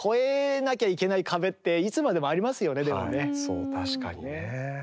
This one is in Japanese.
そう確かにね。